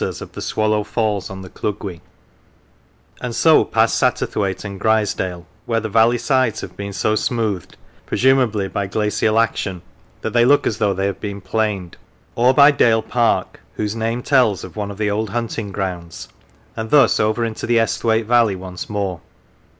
Lonsdale North of the Sands Swallow Falls on the Llugwy ; and so past Satterthwaite and Grisedale, where the valley sides have been so smoothed (presumably by glacial action) that they look as though they had been planed; or by Dale Park, whose name tells of one of the old hunting grounds ; and thus over into the Esthwaite valley once more.